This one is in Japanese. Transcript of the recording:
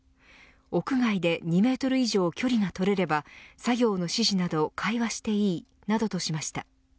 屋外で２メートル以上距離が取れれば作業の指示など会話していいなどとしました。